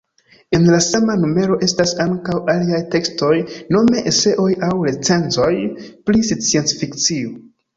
En la sama numero estas ankaŭ aliaj tekstoj, nome eseoj aŭ recenzoj pri sciencfikcio.